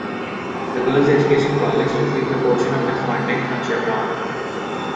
The Girls Education College receives a portion of its funding from Chevron.